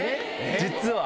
実は。